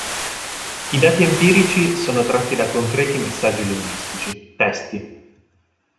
I dati empirici sono tratti da concreti messaggi linguistici, testi.